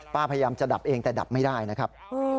พยายามจะดับเองแต่ดับไม่ได้นะครับ